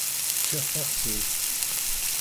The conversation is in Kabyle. Ččiɣ taxsayt.